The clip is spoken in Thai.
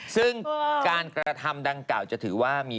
ซึ่งการกระทำดังกล่าวจะถือว่ามี